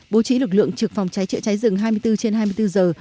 bố trí lực lượng trực phòng cháy chữa cháy rừng hai mươi bốn trên hai mươi bốn giờ